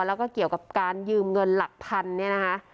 แล้วก็เกี่ยวกับการยืมเงินหลักพันเนี่ยนะคะ